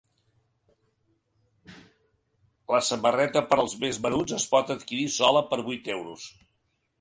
La samarreta per als més menuts es pot adquirir sola per vuit euros.